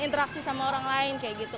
interaksi sama orang lain kayak gitu